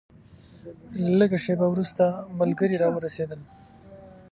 لږه شېبه وروسته ملګري راورسېدل.